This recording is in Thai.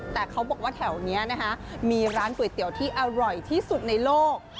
แต่เขาบอกว่าแถวนี้นะคะมีร้านก๋วยเตี๋ยวที่อร่อยที่สุดในโลก